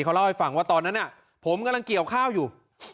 เขาเล่าให้ฟังว่าตอนนั้นผมกำลังเกี่ยวข้าวอยู่